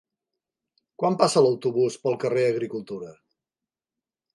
Quan passa l'autobús pel carrer Agricultura?